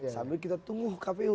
sambil kita tunggu kpu